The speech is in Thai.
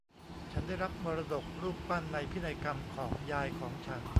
ฉันได้รับมรดกรูปปั้นในพินัยกรรมของยายของฉัน